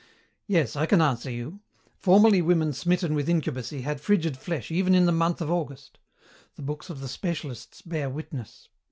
"Yes, I can answer you. Formerly women smitten with incubacy had frigid flesh even in the month of August. The books of the specialists bear witness.